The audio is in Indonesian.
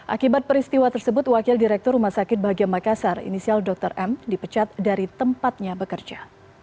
akibat peristiwa tersebut wakil direktur rumah sakit bahagia makassar inisial dr m dipecat dari tempatnya bekerja